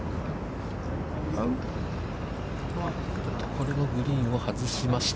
これはグリーンを外しました。